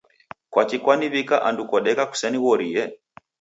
Kwaki kwaniw'ika andu kodeka kusenighorie?